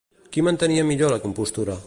Qui mantenia millor la compostura?